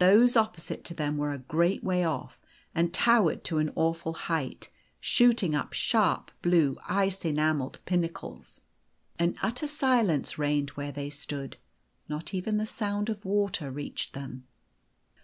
Those opposite to them were a great way off, and towered to an awful height, shooting up sharp, blue, ice enamelled pinnacles. An utter silence reigned where they stood. Not even the sound of water reached them.